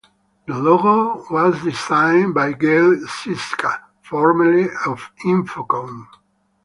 The logo was designed by Gayle Syska, formerly of Infocom.